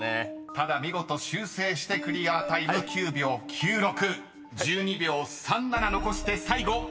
［ただ見事修正してクリアタイム９秒９６］［１２秒３７残して最後名倉さんです］